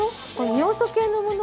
尿素系のもの